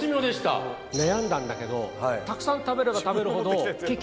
悩んだんだけどたくさん食べれば食べるほど結局。